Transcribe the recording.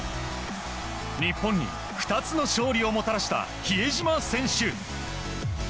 日本に２つの勝利をもたらした比江島選手。